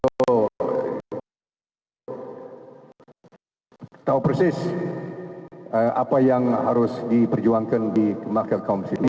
beliau tahu persis apa yang harus diperjuangkan di makamah konstitusi